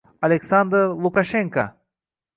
Aleksandr Lukashenko: